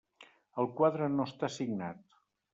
El quadre no està signat.